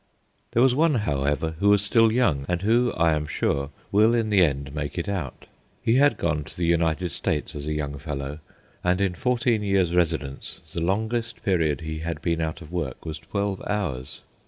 There was one, however, who was still young, and who, I am sure, will in the end make it out. He had gone to the United States as a young fellow, and in fourteen years' residence the longest period he had been out of work was twelve hours.